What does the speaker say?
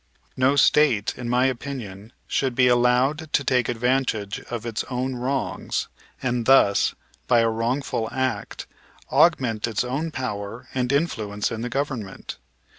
No State, in my opinion, should be allowed to take advantage of its own wrongs, and thus, by a wrongful act, augment its own power and influence in the government.